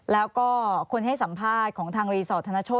และคนให้สัมภาษณ์ของทางรีสอร์ตธนชว์